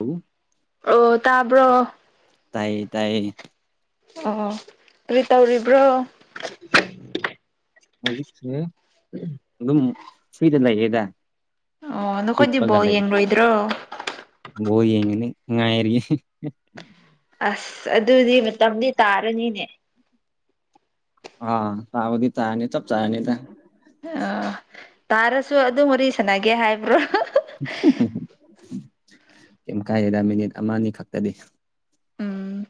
ꯎ ꯑꯣ ꯇꯥꯕ꯭ꯔꯣ ꯇꯥꯏꯌꯦ ꯇꯥꯏꯌꯦ ꯑꯣ ꯀꯔꯤ ꯇꯧꯔꯤꯕ꯭ꯔꯣ ꯍꯧꯖꯤꯛꯁꯦ ꯑꯗꯨꯝ ꯐꫪꯤꯗ ꯂꯩꯌꯦꯗ ꯑꯣ ꯅꯈꯣꯏꯗꯤ ꯍꯤꯞꯄꯒ ꯕꯣꯜ ꯂꯩ ꯌꯦꯡꯂꯣꯏꯗ꯭ꯔꯣ ꯕꯣꯜ ꯌꯦꯡꯒꯅꯤ ꯉꯥꯏꯔꯤ꯫ ꯑꯁ ꯑꯗꯨꯗꯤ ꯃꯇꯝꯗꯤ ꯇꯥꯔꯅꯤꯅꯦ ꯑ ꯇꯥꯕꯗꯤ ꯇꯔꯅꯤ ꯆꯞ ꯆꯥꯔꯅꯤꯗ ꯑꯣ ꯇꯥꯔꯁꯨ ꯑꯗꯨ ꯋꯥꯔꯤ ꯁꯥꯟꯅꯒꯦ ꯍꯥꯏꯕ꯭ꯔꯣ ꯀ꯭ꯌꯤꯝ ꯀꯥꯏꯗꯦꯗ ꯃꯤꯅꯤꯠ ꯑꯃꯅꯤ ꯈꯛꯇꯅꯤ ꯎꯝ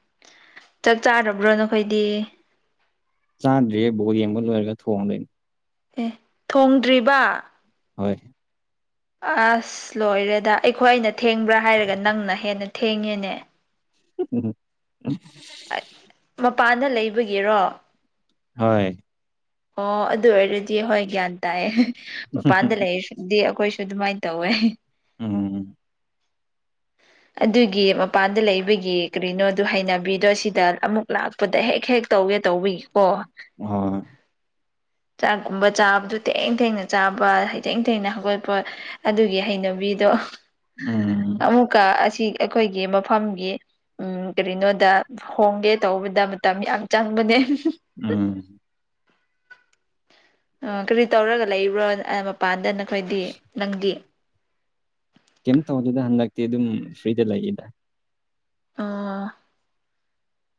ꯆꯥꯛ ꯆꯥꯔꯕ꯭ꯔꯣ ꯅꯈꯣꯏꯗꯤ ꯆꯥꯗ꯭ꯔꯤꯌꯦ ꯕꯣꯜ ꯌꯦꯡꯕ ꯂꯣꯏꯔꯒ ꯊꯣꯡꯗꯣꯏꯅꯤ ꯑꯦ ꯊꯣꯡꯗ꯭ꯔꯤꯕ ꯍꯣꯏ ꯑꯁ ꯂꯣꯏꯔꯦꯗ ꯑꯩꯈꯣꯏꯅ ꯊꯦꯡꯕ꯭ꯔꯥ ꯍꯥꯏꯔꯒ ꯅꯪꯅ ꯍꯦꯟꯅ ꯊꯦꯡꯉꯦꯅꯦ [unintelligible] ꯃꯄꯥꯟꯗ ꯂꯩꯕꯒꯤꯔꯣ ꯍꯣꯏ ꯑꯣ ꯑꯗꯨ ꯑꯣꯏꯔꯗꯤ ꯍꯣꯏ ꯒ꯭ꯌꯥꯟ ꯇꯥꯏꯌꯦ ꯃꯄꯥꯟꯗ ꯂꯩꯔꯁꯨ ꯗꯤ ꯑꯈꯣꯏꯁꯨ ꯑꯗꯨꯃꯥꯏꯟ ꯇꯧꯋꯦ ꯎꯝ ꯑꯗꯨꯒꯤ ꯃꯄꯥꯟꯗ ꯂꯩꯕꯒꯤ ꯀꯔꯤꯅꯣꯗꯨ ꯍꯩꯅꯕꯤꯗꯣ ꯁꯤꯗ ꯑꯃꯨꯛ ꯂꯥꯛ ꯄꯗꯥ ꯍꯦꯛ ꯍꯦꯛ ꯇꯧꯒꯦ ꯇꯧꯕꯒꯤ ꯀꯣ [unintelligible] ꯆꯥꯛꯒꯨꯝꯕ ꯆꯥꯕꯗꯨ ꯊꯦꯡ ꯊꯦꯡꯅ ꯆꯥꯕ ꯍꯩꯊꯦꯡ ꯊꯦꯡꯅ ꯍꯧꯒꯠꯄ ꯑꯗꯨꯒꯤ ꯍꯩꯅꯕꯤꯗꯣ ꯎꯝ ꯀ ꯑꯁꯤ ꯑꯩꯈꯣꯏꯒꯤ ꯃꯐꯝꯒꯤ ꯎꯝ ꯀꯔꯤꯅꯣꯗ ꯍꯣꯡꯒꯦ ꯇꯧꯕꯗ ꯃꯇꯝ ꯌꯥꯝ ꯆꯪꯕꯅꯦ ꯎꯝ ꯑ ꯀꯔꯤ ꯇꯧꯔꯒ ꯂꯩꯕ꯭ꯔꯣ ꯑ ꯃꯄꯥꯟꯗ ꯅꯈꯣꯏꯗꯤ ꯅꯪꯗꯤ ꯀꯦꯝ ꯇꯧꯗꯦꯗ ꯍꯟꯗꯛꯇꯤ ꯑꯗꯨꯝ ꯐ꯭ꯔꯤꯗ ꯂꯩꯌꯦꯗ ꯑꯣ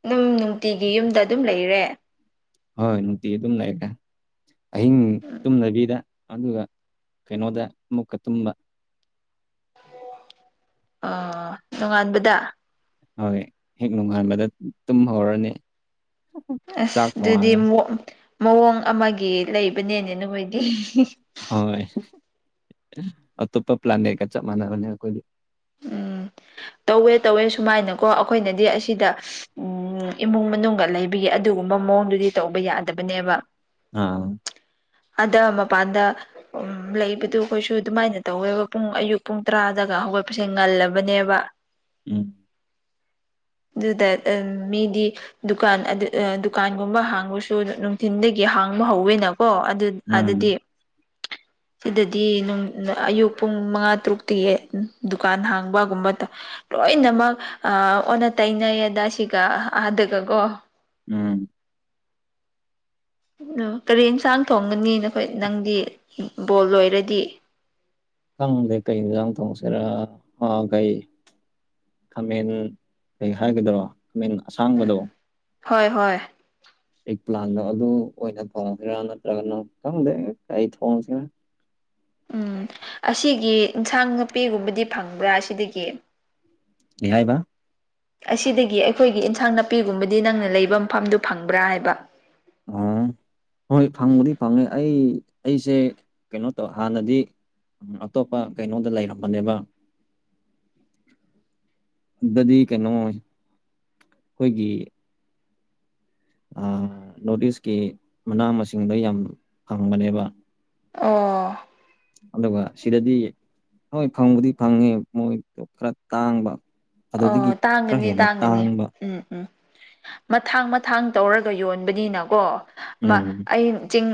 ꯑꯗꯨꯝ ꯅꯨꯡꯇꯤꯒꯤ ꯌꯨꯝꯗ ꯑꯗꯨꯝ ꯂꯩꯔꯦ ꯍꯣꯏ ꯅꯨꯡꯇꯤ ꯑꯗꯨꯝ ꯂꯩꯒ꯭ꯔꯦ ꯑꯍꯤꯡ ꯇꯨꯝꯗꯕꯤꯗ ꯑꯗꯨꯒ ꯀꯩꯅꯣꯗ ꯑꯃꯨꯛꯀ ꯇꯨꯝꯕ ꯑꯥ ꯅꯣꯡꯉꯥꯟꯕꯗ ꯍꯣꯏ ꯍꯦꯛ ꯅꯣꯡꯉꯥꯟꯕꯗ ꯇꯨꯝꯍꯧꯔꯅꯤ ꯑꯁ ꯑꯗꯨꯗꯤ ꯃꯣꯞ ꯃꯑꯣꯡ ꯑꯃꯒꯤ ꯂꯩꯕꯅꯦꯅꯦ ꯅꯣꯏꯗꯤ ꯍꯣꯏ ꯑꯇꯣꯞꯄ ꯄ꯭ꯂꯥꯟꯅꯦꯠꯀ ꯆꯞ ꯃꯥꯟꯅꯕꯅꯦ ꯑꯩꯈꯣꯏꯗꯤ ꯎꯝ ꯇꯧꯋꯦ ꯇꯧꯋꯦ ꯁꯨꯃꯥꯏꯅꯀꯣ ꯑꯩꯈꯣꯏꯅꯗꯤ ꯑꯁꯤꯗ ꯎꯝ ꯏꯃꯨꯡ ꯃꯅꯨꯡꯒ ꯂꯩꯕꯒꯤ ꯑꯗꯨꯒꯨꯝꯕ ꯃꯑꯣꯡꯗꯨꯗꯤ ꯇꯧꯕ ꯌꯥꯗꯕꯅꯦꯕ ꯑꯥ ꯑꯗꯥ ꯃꯄꯥꯟꯗ ꯎꯝ ꯂꯩꯕꯗꯨ ꯑꯩꯈꯣꯏꯁꯨ ꯑꯗꯨꯃꯥꯏꯅ ꯇꯧꯋꯦꯕ ꯄꯨꯡ ꯑꯌꯨꯛ ꯄꯨꯡ ꯇꯔꯥꯗꯒ ꯍꯧꯒꯠ ꯁꯦ ꯉꯜꯂꯕꯅꯦꯕ ꯎꯝ ꯑꯗꯨꯗꯠ ꯑꯝ ꯃꯤꯗꯤ ꯗꯨꯀꯥꯟ ꯑꯗꯨ ꯑ ꯗꯨꯀꯥꯟꯒꯨꯝꯕ ꯍꯥꯡꯕꯁꯨ ꯅꯨꯡꯊꯤꯟꯗꯒꯤ ꯍꯥꯡꯕ ꯍꯧꯋꯦꯅꯀꯣ ꯑꯗꯨ ꯎꯝ ꯑꯗꯗꯤ ꯁꯤꯗꯗꯤ ꯅꯪ ꯅ ꯑꯌꯨꯛ ꯄꯨꯡ ꯃꯉꯥ ꯇꯔꯨꯛꯇꯒꯤ ꯗꯨꯀꯥꯟ ꯍꯥꯡꯕꯒꯨꯝꯕꯗ ꯂꯣꯏꯅꯃꯛ ꯑ ꯑꯣꯟꯅ ꯇꯩꯅꯩꯌꯦꯗ ꯁꯤꯒ ꯑꯥꯗꯒꯀꯣ ꯎꯝ ꯑꯣ ꯀꯔꯤ ꯌꯦꯟꯁꯥꯡ ꯊꯣꯡꯒꯅꯤ ꯅꯈꯣꯏ ꯅꯪꯗꯤ ꯕꯣꯜ ꯂꯣꯏꯔꯗꯤ ꯈꯪꯗꯦ ꯀꯩ ꯏꯟꯁꯥꯡ ꯇꯣꯡꯁꯤꯔ ꯑ ꯒꯩ ꯈꯥꯃꯦꯟ ꯀꯩ ꯍꯥꯏꯒꯗꯔꯣ ꯈꯥꯃꯦꯟ ꯑꯁꯥꯡꯕꯗꯣ ꯍꯣꯏ ꯍꯣꯏ ꯑꯦꯛ ꯄ꯭ꯂꯥꯟꯗꯣ ꯑꯗꯨ ꯑꯣꯏꯅ ꯊꯣꯡꯁꯤꯔꯥ ꯅꯠꯇ꯭ꯔꯒꯅ ꯈꯪꯗꯦ ꯀꯩ ꯊꯣꯡꯁꯤꯔꯥ ꯎꯝ ꯑꯁꯤꯒꯤ ꯏꯟꯁꯥꯡ ꯅꯨꯄꯤꯒꯨꯝꯕꯗꯤ ꯐꯪꯕ꯭ꯔꯥ ꯁꯤꯗꯒꯤ ꯀꯩ ꯍꯥꯏꯕ ꯑꯁꯤꯗꯒꯤ ꯑꯩꯈꯣꯏꯒꯤ ꯏꯟꯁꯥꯡ ꯅꯥꯄꯤꯒꯨꯝꯕꯗꯤ ꯅꯪꯅ ꯂꯩꯕ ꯃꯐꯝꯗꯨ ꯐꯪꯕ꯭ꯔꯥ ꯍꯥꯏꯕ ꯑꯣ ꯍꯣꯏ ꯐꯪꯕꯨꯗꯤ ꯐꯪꯉꯦ ꯑꯩ ꯑꯩꯁꯦ ꯀꯩꯅꯣ ꯇꯧ ꯍꯥꯟꯅꯗꯤ ꯎꯝ ꯑꯇꯣꯞꯄ ꯀꯩꯅꯣꯗ ꯂꯩꯔꯝꯕꯅꯦꯕ ꯗꯗꯤ ꯀꯩꯅꯣ ꯑꯩꯈꯣꯏꯒꯤ ꯑ ꯅꯣꯔꯠ ꯏꯁꯀꯤ ꯃꯅꯥ ꯃꯁꯤꯡꯗ ꯌꯥꯝ ꯐꯪꯕꯅꯦꯕ ꯑꯣ ꯑꯗꯨꯒ ꯁꯤꯗꯗꯤ ꯍꯣꯏ ꯐꯪꯕꯨꯗꯤ ꯐꯪꯉꯦ ꯃꯣꯏꯗꯣ ꯈꯔ ꯇꯥꯡꯕ ꯑꯗꯨꯗꯒꯤ ꯑꯣ ꯈꯔ ꯇꯥꯡꯒꯅꯤ ꯍꯦꯟꯅ ꯇꯥꯡꯒꯅꯤ ꯇꯥꯡꯕ ꯎꯝ ꯎꯝ ꯃꯊꯥꯡ ꯃꯊꯥꯡ ꯇꯧꯔꯒ ꯌꯣꯟꯕꯅꯤꯅꯀꯣ ꯃ ꯎꯝ ꯑꯩ ꯆꯤꯡ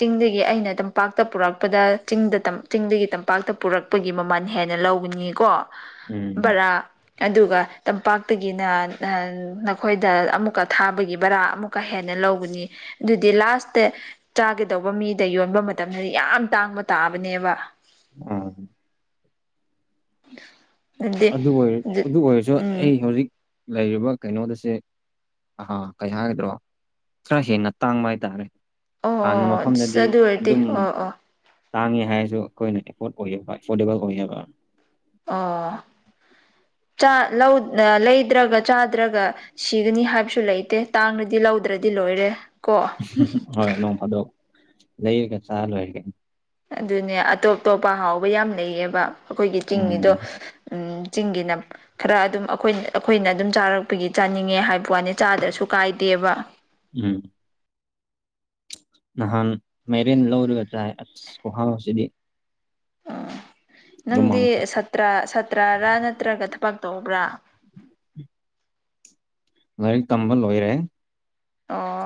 ꯆꯤꯡꯗꯒꯤ ꯑꯩꯅ ꯇꯝꯄꯥꯛꯇ ꯄꯨꯔꯛꯄꯗ ꯆꯤꯡꯗ ꯆꯤꯡꯗꯒꯤ ꯇꯝꯄꯥꯛꯇ ꯄꯨꯔꯛ ꯄꯒꯤ ꯃꯃꯜ ꯍꯦꯟꯅ ꯂꯧꯒꯅꯤꯀꯣ ꯎꯝ ꯚꯔꯥ ꯑꯗꯨꯒ ꯇꯝꯄꯥꯛꯇꯒꯤꯅ ꯅꯈꯣꯏꯗ ꯑꯃꯨꯛꯀ ꯊꯥꯕꯒꯤ ꯕꯔꯥ ꯑꯃꯨꯛ ꯀ ꯍꯦꯟꯅ ꯂꯧꯒꯅꯤ ꯑꯗꯨꯗꯤ ꯂꯥꯁꯇ ꯆꯥꯒꯗꯧꯕ ꯃꯤꯗ ꯌꯣꯟꯕ ꯃꯇꯝꯗꯗꯤ ꯌꯥꯝ ꯇꯥꯡꯕ ꯇꯥꯕꯅꯦꯕ ꯎꯝ ꯑꯗꯨꯗꯤ ꯑꯗꯨ ꯑꯣꯏꯔ ꯑꯗꯨ ꯑꯣꯏꯔꯁꯨ ꯎꯝ ꯑꯩ ꯍꯧꯖꯤꯛ ꯂꯩꯔꯤꯕ ꯀꯩꯅꯣꯗꯁꯦ ꯑꯥ ꯀꯩ ꯍꯥꯏꯒꯗ꯭ꯔꯥ ꯈꯔ ꯍꯦꯟꯅ ꯇꯥꯡꯕ ꯍꯥꯏꯇꯥꯔꯦ ꯍꯥꯟꯅ ꯑꯣ ꯃꯐꯝꯗꯗꯤ ꯑꯗꯨ ꯑꯣꯏꯔꯗꯤ ꯑꯗꯨꯝ ꯑꯣ ꯑꯣ ꯇꯥꯡꯉꯦ ꯍꯥꯏꯔꯁꯨ ꯑꯩꯈꯣꯏꯅ ꯑꯦꯐꯣꯔꯗ ꯑꯣꯏꯌꯦꯕ ꯑꯦꯐꯣꯔꯗꯦꯕꯜ ꯑꯣꯏꯌꯦꯕ ꯑꯥ ꯆꯥ ꯂꯧ ꯑ ꯂꯩꯗ꯭ꯔꯒ ꯆꯥꯗ꯭ꯔꯒ ꯁꯤꯒꯅꯤ ꯍꯥꯏꯕꯁꯨ ꯂꯩꯇꯦ ꯇꯥꯡꯂꯗꯤ ꯂꯧꯗ꯭ꯔꯗꯤ ꯂꯣꯏꯔꯦ ꯀꯣ ꯅꯣꯡꯐꯥꯗꯣꯛ ꯂꯩꯔꯒ ꯆꯥꯔ ꯂꯣꯏꯔꯦ ꯀꯩꯅꯣ ꯑꯗꯨꯅꯦ ꯑꯇꯣꯞ ꯇꯣꯞꯄ ꯍꯥꯎꯕ ꯌꯥꯝ ꯂꯩꯌꯦꯕ ꯑꯩꯈꯣꯏꯒꯤ ꯆꯤꯡꯒꯤꯗꯣ ꯎꯝ ꯎꯝ ꯆꯤꯡꯒꯤꯅ ꯈꯔ ꯑꯗꯨꯝ ꯑꯈꯣꯏꯅ ꯑꯩꯈꯣꯏꯅ ꯑꯗꯨꯝ ꯆꯥꯔꯛꯄꯒꯤ ꯆꯥꯅꯤꯡꯉꯦ ꯍꯥꯏꯕ ꯋꯥꯅꯤ ꯆꯥꯗ꯭ꯔꯁꯨ ꯀꯥꯏꯗꯦꯕ ꯎꯝ ꯅꯍꯥꯟ ꯃꯦꯔꯦꯟ ꯂꯧꯔꯒ ꯆꯥꯏ ꯑꯁ ꯈꯨꯍꯥꯎꯁꯤꯗꯤ ꯎ ꯅꯪꯗꯤ ꯂꯨꯃꯥꯡꯈꯛ ꯁꯇ꯭ꯔ ꯁꯇ꯭ꯔꯔꯥ ꯅꯠꯇ꯭ꯔꯒ ꯊꯕꯛ ꯇꯧꯕ꯭ꯔꯥ ꯂꯥꯏꯔꯤꯛ ꯇꯝꯕ ꯂꯣꯏꯔꯦ ꯑꯣ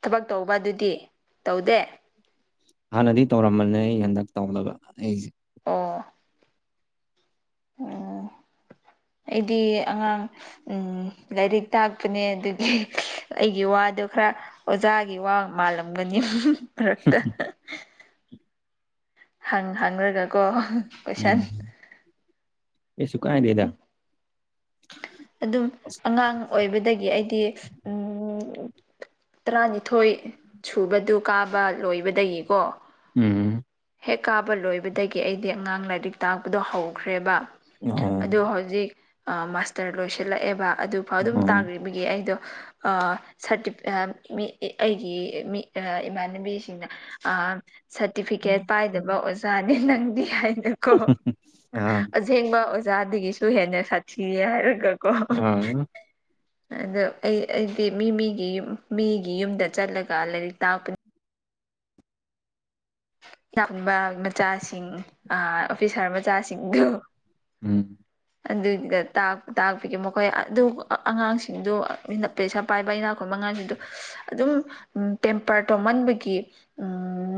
ꯊꯕꯛ ꯇꯧꯕ ꯑꯗꯨꯗꯤ ꯇꯧꯗꯦ ꯍꯥꯟꯅꯗꯤ ꯇꯧꯔꯝꯕꯅꯦ ꯑꯩ ꯍꯟꯗꯛ ꯇꯧꯕ ꯑꯩꯁꯦ ꯑꯣ ꯎꯝ [inaudible] ꯑꯩꯗꯤ ꯑꯉꯥꯡ ꯎꯝ ꯂꯥꯏꯔꯤꯛ ꯇꯥꯛꯄꯅꯦ ꯑꯗꯨꯒꯤ ꯑꯩꯒꯤ ꯋꯥꯗꯣ ꯈꯔ ꯑꯣꯖꯥꯒꯤ ꯋꯥ ꯃꯥꯜꯂꯝꯒꯅꯤ ꯃꯔꯛꯇ ꯍꯪ ꯍꯪꯔꯒ ꯀꯣ ꯎꯝ ꯀꯩꯁꯨ ꯀꯥꯏꯗꯦꯗ ꯑꯗꯨꯝ ꯑꯉꯥꯡ ꯑꯣꯏꯕꯗꯒꯤ ꯑꯩꯗꯤ ꯎꯝ ꯇꯔꯥꯅꯤꯊꯣꯏ ꯁꯨꯕꯗꯨ ꯀꯥꯕ ꯂꯣꯏꯕꯗꯒꯤꯀꯣ ꯎꯝ ꯍꯦꯛ ꯀꯥꯕ ꯂꯣꯏꯕꯗꯒꯤ ꯑꯩꯗꯤ ꯑꯉꯥꯡ ꯂꯥꯏꯔꯤꯛ ꯇꯥꯛꯄꯗꯣ ꯍꯧꯈ꯭ꯔꯦꯕ ꯑꯣ ꯑꯗꯣ ꯍꯧꯖꯤꯛ ꯃꯥꯁꯇꯔ ꯂꯣꯏꯁꯤꯜ ꯂꯛꯑꯦꯕ ꯑꯗꯨ ꯑꯗꯨꯝ ꯑꯣ ꯇꯥꯒ꯭ꯔꯤꯕꯒꯤ ꯑꯩꯗꯣ ꯑ ꯁꯥꯔꯇꯤꯕ ꯑ ꯃꯤ ꯏ ꯑꯩꯒꯤ ꯃꯤ ꯑ ꯃꯥꯟꯅꯕꯤꯁꯤꯡꯅ ꯑ ꯁꯥꯔꯇꯤꯐꯤꯀꯦꯠ ꯄꯥꯏꯗꯕ ꯑꯣꯖꯥꯅꯦ ꯅꯪꯗꯤ ꯍꯥꯏꯅꯀꯣ ꯑ ꯁꯦꯡꯕ ꯑꯣꯖꯥꯗꯒꯤꯁꯨ ꯍꯦꯟꯅ ꯁꯥꯊꯤꯔꯦ ꯍꯥꯏꯔꯒꯀꯣ ꯑ ꯑꯗꯣ ꯑꯩ ꯑꯩꯗꯤ ꯃꯤ ꯃꯤꯒꯤ ꯃꯤꯒꯤ ꯌꯨꯝꯗ ꯆꯠꯂꯒ ꯂꯥꯏꯔꯤꯛ ꯇꯥꯛꯄꯅꯤ ꯏꯅꯥ ꯈꯨꯟꯕ ꯃꯆꯥꯁꯤꯡ ꯑꯣꯐꯤꯁꯥꯔ ꯃꯆꯥꯁꯤꯡꯗꯨ ꯎꯝ ꯑꯗꯨꯒꯤꯗ ꯇꯥꯛꯄꯒꯤ ꯃꯈꯣꯏ ꯑꯗꯨ ꯑꯉꯥꯡꯁꯤꯡꯗꯨ ꯄꯦꯁ ꯄꯥꯏꯕ ꯢꯅꯥꯛ ꯈꯨꯟꯕ ꯃꯉꯥꯡꯁꯤꯗꯨ ꯑꯗꯨꯝ ꯄꯦꯝꯄꯔ ꯇꯣꯝꯃꯟꯕꯒꯤ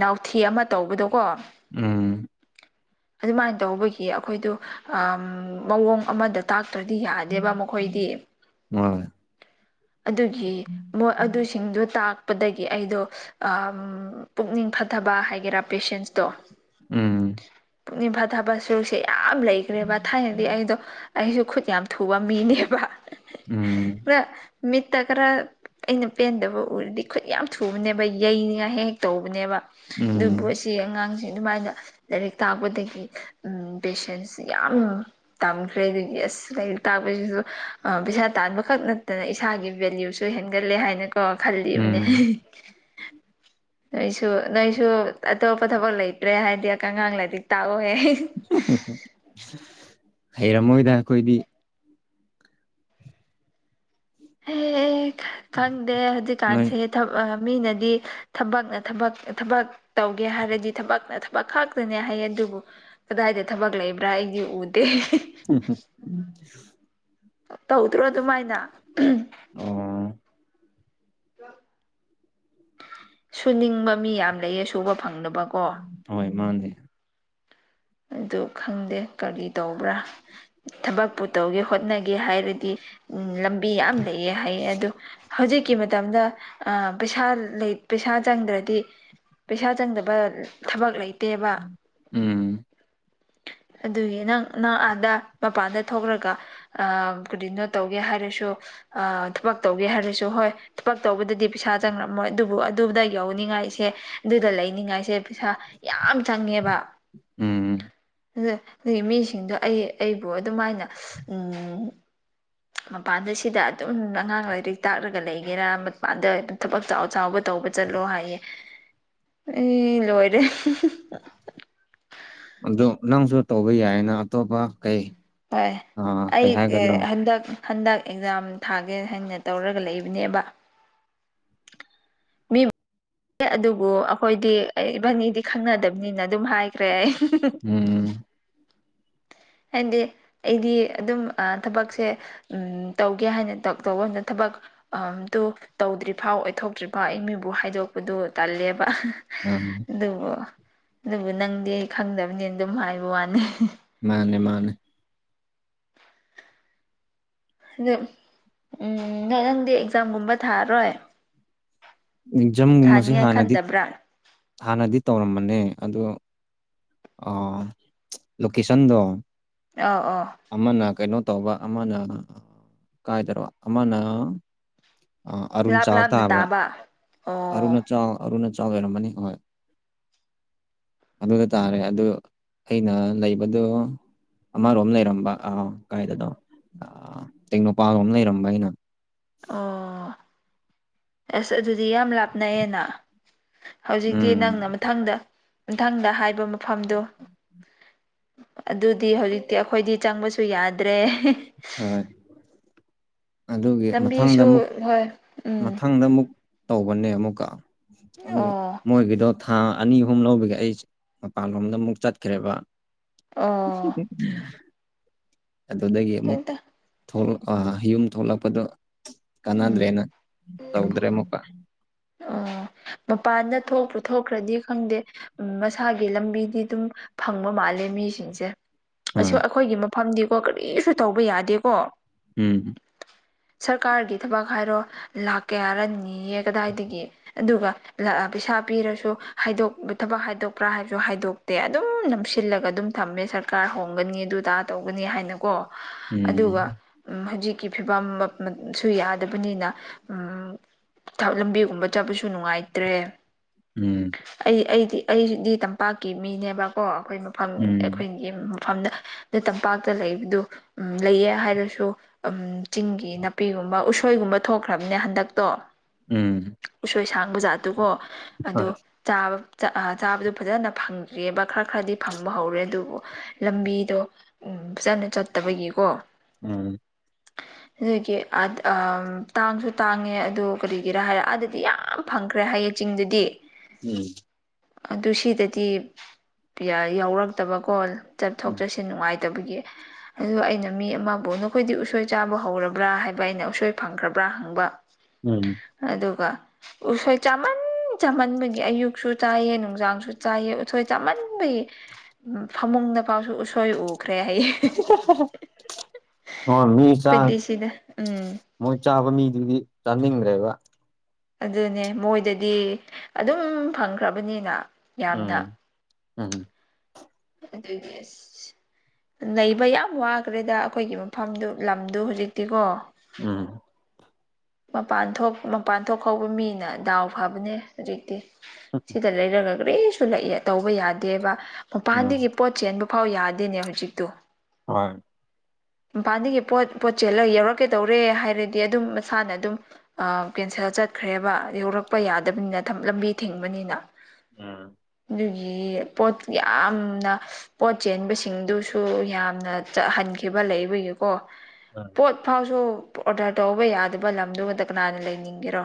ꯅꯥꯎꯊꯤ ꯑꯃ ꯇꯧꯕꯗꯣꯀꯣ ꯎꯝ ꯑꯗꯨꯃꯥꯏꯅ ꯇꯧꯕꯒꯤ ꯑꯩꯈꯣꯏꯗꯣ ꯃꯑꯣꯡ ꯑꯃꯗ ꯇꯥꯛꯇ꯭ꯔꯗꯤ ꯌꯥꯗꯦꯕ ꯃꯈꯣꯏꯗꯤ ꯍꯣꯏ ꯑꯗꯨꯒꯤ ꯃꯣ ꯑꯗꯨꯁꯤꯡꯗꯣ ꯇꯥꯛ ꯄꯗꯒꯤ ꯑꯩꯗꯣ ꯄꯨꯛꯅꯤꯡ ꯐꯊꯕ ꯍꯥꯏꯒꯦꯔꯥ ꯄꯦꯁꯦꯟꯁꯇꯣ ꯎꯝ ꯄꯨꯛꯅꯤꯡꯐꯥ ꯊꯥꯕꯠ ꯁꯨꯔꯨꯛꯁꯦ ꯌꯥꯝ ꯂꯩꯈ꯭ꯔꯦꯕ ꯊꯥꯏꯅ ꯑꯩꯗꯣ ꯑꯩꯁꯨ ꯈꯨꯠ ꯌꯥꯝ ꯊꯨꯕ ꯃꯤꯅꯦꯕ ꯎꯝ ꯃꯤꯠꯇ ꯈꯔ ꯑꯩꯅ ꯄꯦꯟꯗꯕ ꯑꯣꯢꯔꯗꯤ ꯈꯨꯠ ꯌꯥꯝ ꯊꯨꯕꯅꯦꯕ ꯌꯩꯅꯤꯉꯥꯏ ꯍꯦꯛ ꯍꯦꯛ ꯇꯧꯕꯅꯦꯕ ꯑꯗꯨꯕꯨ ꯎꯝ ꯁꯤ ꯑꯉꯥꯡꯁꯦ ꯑꯗꯨꯃꯥꯏꯅ ꯂꯥꯏꯔꯤꯛ ꯇꯥꯛꯄꯗꯒꯤ ꯄꯦꯁꯦꯟꯁꯁꯤ ꯌꯥꯝ ꯇꯝꯈ꯭ꯔꯦ ꯑꯗꯒꯤ ꯑꯁ ꯂꯥꯏꯔꯤꯛ ꯇꯥꯛꯄꯁꯤꯁꯨ ꯄꯩꯁꯥ ꯇꯥꯟꯕ ꯈꯛ ꯅꯠꯇꯅ ꯏꯁꯥꯒꯤ ꯚꯦꯂ꯭ꯌꯨꯁꯨ ꯁꯨ ꯍꯦꯟꯒꯠꯂꯦ ꯍꯥꯏꯅ ꯀꯣ ꯈꯜꯂꯤꯕꯅꯦ ꯎꯝ ꯅꯣꯏꯁꯨ ꯅꯣꯏꯁꯨ ꯑꯇꯣꯞꯄ ꯊꯕꯛ ꯂꯩꯇ꯭ꯔꯦ ꯍꯥꯏꯗꯤ ꯑꯉꯥꯡ ꯂꯥꯏꯔꯤꯛ ꯇꯥꯛꯑꯣꯍꯦ ꯍꯩꯔꯝꯃꯣꯏꯗ ꯑꯩꯈꯣꯏꯗꯤ ꯑꯦ ꯈꯪꯗꯦ ꯅꯣꯏ ꯍꯧꯖꯤꯛꯀꯥꯟꯁꯦ ꯃꯤꯅꯗꯤ ꯊꯕꯛ ꯊꯕꯛ ꯇꯧꯒꯦ ꯍꯥꯏꯔꯗꯤ ꯊꯕꯛ ꯊꯕꯛ ꯈꯛꯇꯅꯦ ꯍꯥꯏꯌꯦ ꯑꯗꯨꯕꯨ ꯀꯗꯥꯏꯗ ꯊꯕꯛ ꯂꯩꯕ꯭ꯔꯥ ꯑꯩꯗꯤ ꯎꯗꯦ ꯎꯝ ꯇꯧꯗ꯭ꯔꯣ ꯑꯗꯨꯃꯥꯏꯅ ꯑꯣ ꯁꯨꯅꯤꯡꯕ ꯃꯤ ꯌꯥꯝ ꯂꯩꯌꯦ ꯁꯨꯕ ꯐꯪꯗꯕ ꯀꯣ ꯍꯣꯏ ꯃꯥꯅꯦ ꯑꯗꯨ ꯈꯪꯗꯦ ꯀꯔꯤ ꯇꯧꯕ꯭ꯔꯥ ꯊꯕꯛ ꯄꯨꯨ ꯇꯧꯒꯦ ꯍꯣꯠꯅꯒꯦ ꯍꯥꯏꯔꯗꯤ ꯎꯝ ꯂꯝꯕꯤ ꯌꯥꯝ ꯂꯩꯑꯦ ꯍꯥꯏꯌꯦ ꯑꯗꯨ ꯍꯧꯖꯤꯛꯀꯤ ꯃꯇꯝꯗ ꯄꯩꯁꯥ ꯄꯩꯁꯥ ꯆꯪꯗ꯭ꯔꯗꯤ ꯄꯩꯁꯥ ꯆꯪꯗꯕ ꯊꯕꯛ ꯂꯩꯇꯦꯕ ꯎꯝ ꯑꯗꯨꯒꯤ ꯅꯪ ꯅꯪ ꯑꯥꯗ ꯃꯄꯥꯟꯗ ꯊꯣꯛꯂꯒ ꯀꯔꯤꯅꯣ ꯇꯧꯒꯦ ꯍꯥꯏꯔꯁꯨ ꯊꯕꯛ ꯇꯧꯒꯦ ꯍꯥꯏꯔꯁꯨ ꯍꯣꯏ ꯊꯕꯛ ꯇꯧꯕꯗꯗꯤ ꯄꯩꯁꯥ ꯆꯪꯉꯔꯝꯃꯣꯏ ꯑꯗꯨꯕꯨ ꯑꯗꯨꯗ ꯌꯧꯅꯤꯡꯉꯥꯏꯁꯦ ꯑꯗꯨꯗ ꯂꯩꯅꯤꯡꯉꯥꯏꯁꯦ ꯄꯩꯁꯥ ꯌꯥꯝ ꯆꯪꯉꯦꯕ ꯎꯝ ꯑꯗꯒꯤ ꯃꯤꯁꯤꯡꯗꯣ ꯑꯩ ꯑꯩꯕꯨ ꯑꯗꯨꯃꯥꯏꯅ ꯎ ꯃꯄꯥꯟꯗ ꯁꯤꯗ ꯑꯗꯨꯝ ꯑꯉꯥꯡ ꯂꯥꯏꯔꯤꯛ ꯇꯥꯛꯂꯒ ꯂꯩꯒꯦꯔꯥ ꯃꯄꯥꯟꯗ ꯑꯗꯨꯝ ꯊꯕꯛ ꯆꯥꯎ ꯆꯥꯎꯕ ꯇꯧꯕ ꯆꯠꯂꯣ ꯍꯥꯏꯌꯦ [unintelligible] ꯑꯩ ꯂꯣꯏꯔꯦ ꯑꯗꯨ ꯅꯪꯁꯨ ꯇꯧꯕ ꯌꯥꯏꯅ ꯑꯇꯣꯞꯄ ꯀꯩ ꯍꯣꯏ ꯑꯩ ꯀꯩ ꯍꯥꯏꯒꯗ꯭ꯔꯣ ꯍꯟꯗꯛ ꯍꯟꯗꯛ ꯑꯦꯛꯖꯥꯝ ꯊꯥꯒꯦ ꯍꯥꯏꯅ ꯇꯧꯔꯒ ꯂꯩꯕꯅꯦꯕ ꯃꯤ ꯑꯗꯨꯕꯨ ꯑꯩꯈꯣꯏꯗꯤ ꯑꯩ ꯏꯕꯥꯅꯤꯗꯤ ꯈꯪꯅꯗꯕꯅꯤꯅ ꯑꯗꯨꯝ ꯍꯥꯏꯈ꯭ꯔꯦ ꯑꯩ ꯎꯝ ꯍꯥꯏꯗꯤ ꯑꯩꯗꯤ ꯑꯗꯨꯝ ꯊꯕꯛꯁꯦ ꯎꯝ ꯇꯧꯒꯦ ꯍꯥꯏꯅ ꯇꯧꯕ ꯃꯇꯝꯅ ꯊꯕꯛ ꯇ ꯇꯧꯗ꯭ꯔꯤꯐꯥꯎ ꯑꯣꯏꯊꯣꯛꯇ꯭ꯔꯤꯐꯥꯎ ꯑꯩ ꯃꯤꯕꯨ ꯍꯥꯏꯗꯣꯛꯄꯗꯨ ꯇꯜꯂꯦꯕ ꯎꯝ ꯑꯗꯨꯕꯨ ꯑꯗꯨꯕꯨ ꯅꯪꯗꯤ ꯑꯩ ꯈꯪꯗꯕꯅꯤꯅ ꯑꯗꯨꯝ ꯍꯥꯏꯕꯩ ꯋꯥꯅꯦ ꯃꯥꯅꯦ ꯃꯥꯅꯦ ꯎꯝ ꯅꯪ-ꯅꯪꯗꯤ ꯑꯦꯛꯖꯥꯝꯒꯨꯝꯕ ꯊꯥꯔꯣꯏ ꯖꯝꯒꯨꯝꯕꯁꯦ ꯊꯥꯅꯤꯡꯉꯥꯏ ꯍꯥꯟꯅꯗꯤ ꯈꯟꯗꯕ꯭ꯔꯥ ꯍꯥꯟꯅꯗꯤ ꯇꯧꯔꯝꯕꯅꯦ ꯑꯣ ꯂꯣꯀꯦꯁꯟꯗꯣ ꯑꯥꯎ ꯑꯥ ꯑꯃꯅ ꯀꯩꯅꯣ ꯇꯧꯕ ꯑꯃꯅ ꯀꯥꯏꯗꯔꯣ ꯑꯃꯅ ꯑ ꯂꯥꯞ ꯑꯔꯨꯟꯆꯥꯛ ꯂꯥꯞꯅ ꯇꯥꯕ ꯑꯔꯨ ꯑꯣ ꯑꯆ ꯑꯔꯨ ꯑꯆꯥꯎ ꯑꯣꯏꯔꯝꯃꯅꯤ ꯍꯣꯏ [inaudible] ꯑꯗꯨꯗ ꯇꯥꯔꯦ ꯑꯗꯨ ꯑꯩꯅ ꯂꯩꯕꯗꯣ ꯑꯃꯔꯣꯝ ꯂꯩꯔꯝꯕ ꯑꯥ ꯀꯥꯏꯗꯅꯣ ꯇꯦꯡꯅꯧꯄꯜꯂꯣꯝ ꯂꯩꯔꯝꯕ ꯑꯩꯅ ꯑꯣ ꯑꯁ ꯑꯗꯨꯗꯤ ꯌꯥꯝ ꯂꯥꯞꯅꯩꯌꯦꯅ ꯍꯧꯖꯤꯛꯇꯤ ꯎꯝ ꯅꯪꯅ ꯃꯊꯪꯗ ꯃꯊꯪꯗ ꯍꯥꯏꯕ ꯃꯐꯝꯗꯨ ꯑꯗꯨꯗꯤ ꯍꯧꯖꯤꯛꯇꯤ ꯑꯩꯈꯣꯏꯗꯤ ꯆꯪꯕꯁꯨ ꯌꯥꯗ꯭ꯔꯦ ꯍꯣꯏ ꯑꯗꯨꯒꯤ ꯃꯊꯪꯗ ꯂꯝꯕꯤꯁꯨ ꯑꯃꯨꯛ ꯍꯣꯏ ꯎꯝ ꯃꯊꯪꯗ ꯑꯃꯨꯛ ꯇꯧꯕꯅꯦ ꯑꯃꯨꯛꯀ ꯑꯗꯨꯒ ꯑꯣ ꯃꯣꯏꯒꯤꯗꯣ ꯊꯥ ꯑꯅꯤ ꯑꯍꯨꯝ ꯂꯧꯕꯒꯤ ꯑꯩ ꯃꯄꯥꯟꯂꯣꯝꯗ ꯑꯃꯨꯛ ꯆꯠꯈ꯭ꯔꯦꯕ ꯑꯣ ꯁꯤ [inaudible] ꯑꯗꯨꯗꯒꯤ ꯑꯃꯨꯛ ꯍꯦꯛꯇ ꯌꯨꯝ ꯊꯣꯛꯂꯛꯄꯗꯣ ꯎꯝ ꯀꯥꯟꯅꯗ꯭ꯔꯦꯅ ꯇꯧꯗ꯭ꯔꯦ ꯑꯃꯨꯛꯒ ꯑꯣ ꯃꯄꯥꯟꯗ ꯊꯣꯛꯄꯨ ꯊꯣꯛꯈ꯭ꯔꯗꯤ ꯈꯪꯗꯦ ꯎꯝ ꯃꯁꯥꯒꯤ ꯂꯝꯕꯤꯗꯤ ꯑꯗꯨꯝ ꯐꯪꯕ ꯃꯥꯜꯂꯦ ꯃꯤꯁꯤꯡꯁꯦ ꯑ ꯍꯣꯏ ꯑꯩꯈꯣꯏꯒꯤ ꯃꯐꯝꯗꯤꯀꯣ ꯀꯔꯤꯁꯨ ꯇꯧꯕ ꯌꯥꯗꯦꯀꯣ ꯎꯝ ꯁꯔꯀꯥꯔꯒꯤ ꯊꯕꯛ ꯍꯥꯏꯔꯣ ꯂꯥꯛ ꯀꯌꯥꯅꯣ ꯅꯤꯑꯦ ꯀꯗꯥꯏꯗꯒꯤ ꯑꯗꯨꯒ ꯄꯩꯁꯥ ꯄꯤꯔꯁꯨ ꯍꯥꯏꯗꯣꯛ ꯊꯕꯛ ꯍꯥꯏꯗꯣꯛꯄ꯭ꯔꯥ ꯍꯥꯏꯕꯁꯨ ꯍꯥꯏꯗꯣꯛ ꯇꯦ ꯑꯗꯨꯝ ꯅꯝꯁꯤꯜꯂꯒ ꯑꯗꯨꯝ ꯊꯝꯃꯦ ꯁꯔꯀꯥꯔ ꯍꯣꯡꯒꯅꯤ ꯑꯗꯨ ꯑꯗꯥ ꯇꯧꯒꯅꯤ ꯍꯥꯏꯅ ꯀꯣ ꯑꯗꯨꯒ ꯎꯝ ꯍꯧꯖꯤꯛꯀꯤ ꯐꯤꯕꯝ ꯁꯨ ꯌꯥꯗꯕꯅꯤꯅ ꯂꯝꯕꯤ ꯀꯨꯝꯕ ꯆꯠꯄꯁꯨ ꯅꯨꯡꯉꯥꯏꯇ꯭ꯔꯦ ꯎꯝ ꯑꯩ ꯑꯩꯗꯤ ꯑꯩꯗꯤ ꯇꯝꯄꯥꯛꯀꯤ ꯃꯤꯅꯦꯕꯀꯣ ꯑꯩꯈꯣꯏ ꯃꯐꯝ ꯎꯝ ꯑꯩꯈꯣꯏꯒꯤ ꯃꯐꯝꯗ ꯑ ꯇꯝꯄꯥꯛꯇ ꯂꯩꯕꯗꯨ ꯎ ꯂꯩꯌꯦ ꯍꯥꯏꯔꯁꯨ ꯆꯤꯡꯒꯤ ꯅꯥꯄꯤꯒꯨꯝꯕ ꯎꯁꯣꯏꯒꯨꯝꯕ ꯊꯣꯛꯈ꯭ꯔꯕꯅꯦ ꯍꯟꯗꯛꯇꯣ ꯎꯝ ꯎꯁꯣꯏ ꯁꯥꯡꯕ ꯖꯥꯠꯇꯨꯀꯣ ꯑꯗꯣ ꯍꯣꯏ ꯆꯠꯕꯗꯨ ꯐꯖꯅ ꯐꯪꯗ꯭ꯦꯕ ꯈꯔ ꯈꯔꯗꯤ ꯐꯪꯕ ꯍꯧꯔꯦ ꯑꯗꯨꯕꯨ ꯂꯝꯕꯤꯗꯣ ꯎ ꯐꯖꯅ ꯆꯠꯇꯕꯒꯤꯀꯣ꯫ ꯎꯝ ꯑꯗꯨꯒꯤ ꯇꯥꯡꯁꯨ ꯇꯥꯡꯉꯦ ꯑꯗꯨ ꯀꯔꯤꯒꯤꯔ ꯍꯥꯏꯔꯦ ꯑꯗꯨꯗꯤ ꯌꯥꯝ ꯐꯪꯈ꯭ꯔꯦ ꯍꯥꯏꯌꯦ ꯆꯤꯡꯗꯨꯗꯤ ꯎꯝ ꯑꯗꯨ ꯁꯤꯗꯗꯤ ꯌꯥꯎꯔꯛꯇꯕꯀꯣ ꯆꯠꯊꯣꯛ ꯎꯝ ꯆꯠꯁꯤ ꯅꯨꯡꯉꯥꯏꯇꯦ꯫ ꯅꯨꯡꯉꯥꯢꯇꯕꯒꯤ꯫ ꯑꯗꯨ ꯑꯩꯅ ꯃꯤ ꯑꯃꯕꯨ ꯅꯈꯣꯏꯗꯤ ꯎꯁꯣꯏ ꯆꯥꯕ ꯍꯧꯔꯕ꯭ꯔꯥ ꯍꯥꯏꯕ ꯑꯩꯅ ꯎꯁꯣꯏ ꯐꯪꯈ꯭ꯔꯕ꯭ꯔꯥ ꯍꯪꯕ ꯎꯝ ꯑ ꯑꯗꯨꯒ ꯎꯁꯣꯏ ꯆꯃꯥꯟ꯫ ꯆꯝꯃꯟꯕꯒꯤ ꯑꯌꯨꯛꯁꯨ ꯆꯥꯏꯌꯦ ꯅꯨꯡꯖꯥꯡꯁꯨ ꯆꯥꯏꯑ ꯎꯊꯣꯏ ꯆꯃꯟꯕꯒꯤ ꯐꯃꯨꯡꯗ ꯄꯥꯎꯁꯨ ꯎꯁꯣꯏ ꯎ ꯄꯨꯈ꯭ꯔꯦ ꯍꯣꯏ ꯃꯤ ꯆꯥ ꯑꯩꯈꯣꯏꯗꯤꯁꯤꯗ ꯎꯝ꯫ ꯃꯣꯏ ꯆꯥꯕ ꯃꯤꯗꯨꯗꯤ ꯆꯥꯅꯤꯡꯗ꯭ꯔꯦꯕ ꯑꯗꯨꯅꯦ ꯃꯣꯏꯗꯗꯤ ꯑꯗꯨꯝ ꯐꯪꯈ꯭ꯔꯕꯅꯤꯅ꯫ ꯌꯥꯝꯅ ꯎꯝ-ꯎꯝ ꯗꯤꯁ꯫ [inaudible] ꯅꯩꯕ ꯌꯥꯝ ꯋꯥꯈ꯭ꯔꯦꯗ ꯑꯩꯈꯣꯏꯒꯤ ꯃꯐꯝꯗꯨ ꯂꯝꯗꯨ ꯍꯧꯖꯤꯛꯇꯤꯀꯣ ꯎꯝ ꯃꯄꯥꯟ ꯊꯣꯛ ꯃꯄꯥꯟ ꯊꯣꯛ ꯍꯧꯕ ꯃꯤꯅ ꯗꯥꯎ ꯐꯕꯅꯦ ꯍꯧꯖꯤꯛꯇꯤ ꯁꯤꯗ꯫ ꯂꯩꯔꯒ ꯀꯔꯤꯁꯨ ꯇꯧꯕ ꯌꯥꯗꯦꯕ ꯎꯝ ꯃꯄꯥꯟꯗꯒꯤ ꯄꯣꯠ ꯆꯦꯟꯕ ꯐꯥꯎ ꯌꯥꯗꯦꯅꯦ ꯍꯧꯖꯤꯛꯇꯣ꯫ ꯍꯣꯏ꯫ ꯃꯄꯥꯥꯟꯗꯒꯤ ꯄꯣꯠ-ꯄꯣꯠꯆꯦꯜꯂ ꯌꯧꯔꯛꯀꯦꯇꯩꯔꯦ ꯍꯥꯏꯔꯗꯤ ꯑꯗꯨꯝ ꯃꯁꯥꯅ ꯑꯗꯨꯝ ꯑꯥ ꯀꯦꯟꯁꯦꯜ ꯆꯠꯈ꯭ꯔꯦꯕ ꯌꯧꯔꯛꯄ ꯌꯥꯗꯕꯅꯤꯅ ꯂꯝꯕꯤ ꯊꯤꯡꯕꯅꯤꯅ ꯎꯝ ꯑꯗꯨꯒꯤ ꯄꯣꯠ ꯌꯥꯝꯅ ꯄꯣꯠ ꯆꯦꯟꯕꯁꯤꯡꯗꯨꯁꯨ ꯌꯥꯝꯅ ꯆꯍꯟꯈꯤꯕ ꯂꯩꯕꯒꯤꯀꯣ ꯑ ꯄꯣꯠ ꯐꯥꯎꯁꯨ ꯑꯣꯔꯗꯔ ꯇꯧꯕ ꯌꯥꯗꯕ ꯂꯝꯗꯨꯃꯗ ꯀꯅꯥꯅ ꯂꯩꯅꯤꯡꯒꯦꯔꯣ